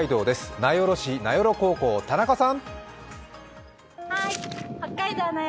名寄市・名寄高校、田中さん！